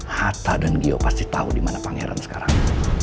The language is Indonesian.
hata dan gio pasti tau dimana pangeran sekarang